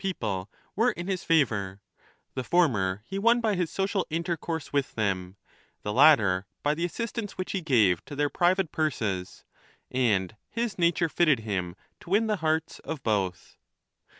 29 people were in his favour ; the former he won by his social intercourse with them, the latter by the assistance which he gave to their private purses, and his nature fitted him to win the hearts of both.